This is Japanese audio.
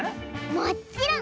もっちろん！